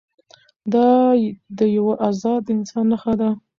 دا د یوه ازاد انسان نښه ده.